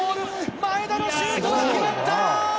前田のシュートが決まった！